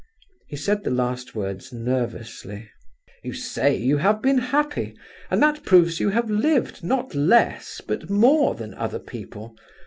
He said the last words nervously. "You say you have been happy, and that proves you have lived, not less, but more than other people.